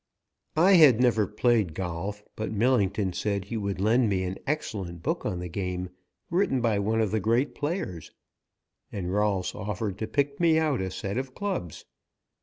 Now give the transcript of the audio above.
I had never played golf, but Millington said he would lend me an excellent book on the game, written by one of the great players, and Rolfs offered to pick me out a set of clubs.